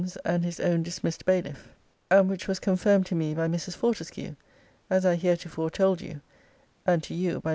's and his own dismissed bailiff,* and which was confirmed to me by Mrs. Fortescue, as I heretofore told you, and to you by Mrs. Greme.